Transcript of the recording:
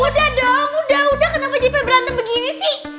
udah dong udah udah kenapa jp berantem begini sih